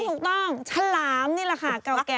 ถูกต้องสัตว์ชลามฯนี่แหละค่ะ